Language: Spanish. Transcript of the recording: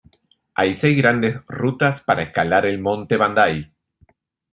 Hay seis grandes rutas para escalar el Monte Bandai.